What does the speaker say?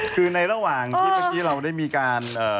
คือในระหว่างที่เมื่อกี้เราได้มีการ